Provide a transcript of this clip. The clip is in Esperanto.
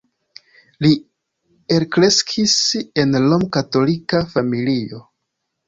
Li elkreskis en rom-katolika familio.